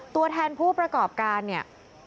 ตัวแทนผู้ประกอบการเนี่ย